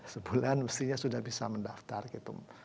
sebulan mestinya sudah bisa mendaftar gitu